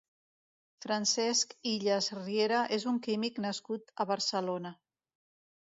Francesc Illas Riera és un químic nascut a Barcelona.